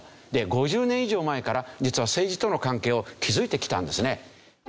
で５０年以上前から実は政治との関係を築いてきたんですね。